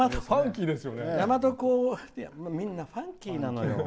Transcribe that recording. みんなファンキーなのよ。